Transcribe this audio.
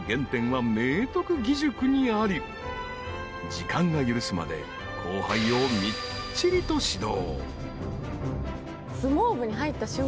［時間が許すまで後輩をみっちりと指導］